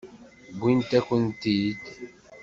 Wwint-akent-tent-id.